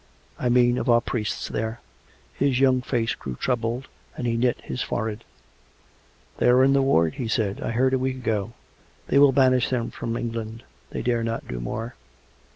" I mean, of our priests there ?" His young face grew troubled, and he knit his forehead. " They are in ward," he said ;" I heard a week ago. ... They will banish them from England — they dare not do more